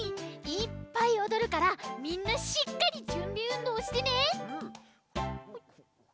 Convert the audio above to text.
いっぱいおどるからみんなしっかりじゅんびうんどうしてね！